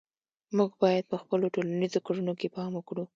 موږ باید په خپلو ټولنیزو کړنو کې پام وکړو.